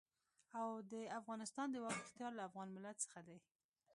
او د افغانستان د واک اختيار له افغان ملت څخه دی.